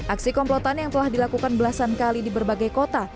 aksi komplotan yang telah dilakukan belasan kali di berbagai kota